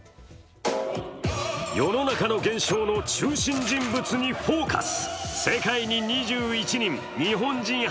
世の中の現象の中心人物に「ＦＯＣＵＳ」。